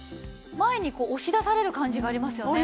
前にこう押し出される感じがありますよね。